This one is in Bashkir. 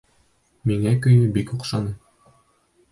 Миңә көйө бик оҡшаны.